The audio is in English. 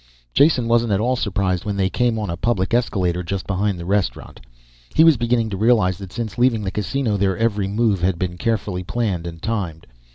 Jason wasn't at all surprised when they came on a public escalator just behind the restaurant. He was beginning to realize that since leaving the Casino their every move had been carefully planned and timed.